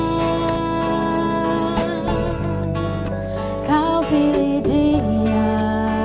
jangan kau pilih dia